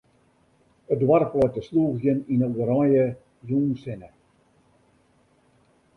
It doarp leit te slûgjen yn 'e oranje jûnssinne.